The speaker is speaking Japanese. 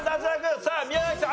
さあ宮崎さん